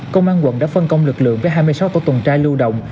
công an quận đã phân công lực lượng với hai mươi sáu tổ tuần tra lưu động